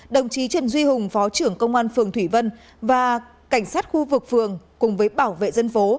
đồng chí trần duy hùng phó trưởng công an phường thủy vân và cảnh sát khu vực phường cùng với bảo vệ dân phố